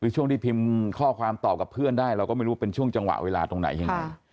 คือช่วงที่พิมพ์ข้อความตอบกับเพื่อนได้เราก็ไม่รู้ว่าเป็นช่วงจังหวะเวลาตรงไหนยังไง